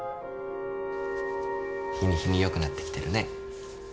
日に日に良くなってきてるね。